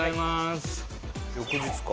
翌日か。